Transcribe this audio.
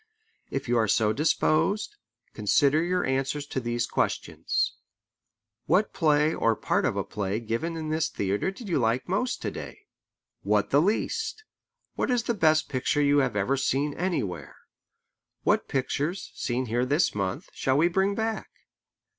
If you are so disposed, consider your answers to these questions: What play or part of a play given in this theatre did you like most to day? What the least? What is the best picture you have ever seen anywhere? What pictures, seen here this month, shall we bring back?"